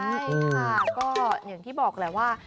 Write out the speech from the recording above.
ใช่ค่ะก็อย่างที่บอกแหละว่า